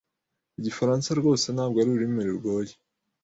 Igifaransa rwose ntabwo ari ururimi rugoye.